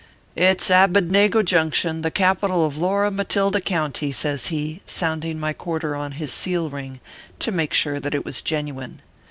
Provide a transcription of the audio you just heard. " It s Abednego Junction, the capi tal of Laura Matilda County/ says he, sounding my quarter on his seal ring to make sure that it was genuine.